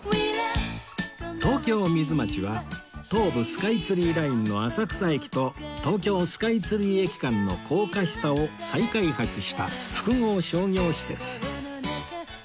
東京ミズマチは東武スカイツリーラインの浅草駅ととうきょうスカイツリー駅間の高架下を再開発した複合商業施設